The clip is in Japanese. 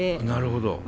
なるほど。